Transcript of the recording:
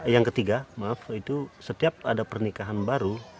yang ketiga setiap ada pernikahan baru